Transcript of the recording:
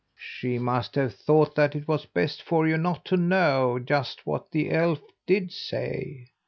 "She must have thought that it was best for you not to know just what the elf did say.